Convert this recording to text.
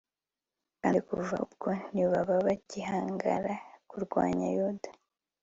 kandi kuva ubwo ntibaba bagihangara kurwanya yuda